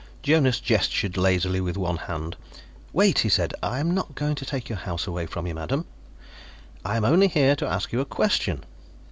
Jonas gestured lazily with one hand. "Wait," he said. "I am not going to take your house away from you, madam. I am only here to ask you a question."